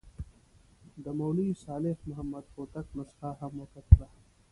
د مولوي صالح محمد هوتک نسخه هم وکتله.